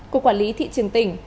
cục quản lý thị trường tỉnh